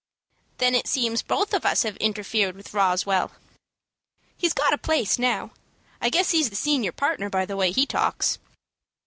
"Then it seems both of us have interfered with Roswell." "He's got a place now. I guess he's the senior partner by the way he talks."